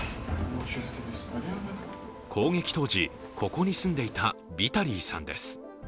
攻撃当時、ここに住んでいたビタリーさんです。